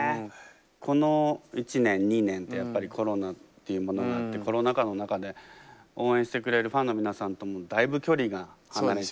この１年２年ってやっぱりコロナっていうものがあってコロナ禍の中で応援してくれるファンの皆さんともだいぶ距離が離れて。